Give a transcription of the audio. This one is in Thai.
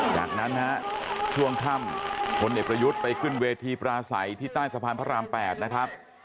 จากนั้นฮะช่วงค่ำพลเอกประยุทธ์ไปขึ้นเวทีปราศัยที่ใต้สะพานพระราม๘นะครับ